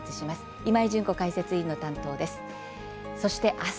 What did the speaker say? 今井純子解説委員の担当です。